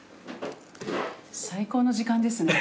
最高の時間ですね。